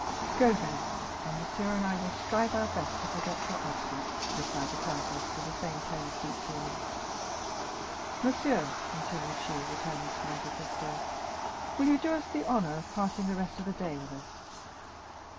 "Go, then, and monsieur and I will strive our best to forget your absence," replied the countess, with the same tone of deep feeling. "Monsieur," continued she, turning to Monte Cristo, "will you do us the honor of passing the rest of the day with us?"